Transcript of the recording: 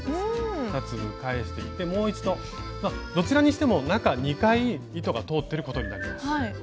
２粒返してきてもう一度どちらにしても中２回糸が通ってることになります。